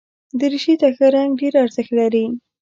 دریشي ته ښه رنګ ډېر ارزښت لري.